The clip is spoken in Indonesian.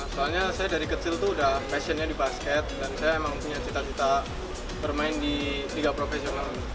soalnya saya dari kecil tuh udah passionnya di basket dan saya emang punya cita cita bermain di tiga profesional